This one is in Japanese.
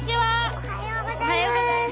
おはようございます！